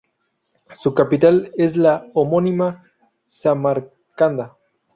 Su capital es la homónima Samarcanda.